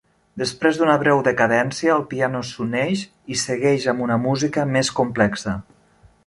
Després d'una breu decadència, el piano s'uneix i segueix amb una música més complexa.